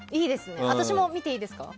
私も見ていいですか？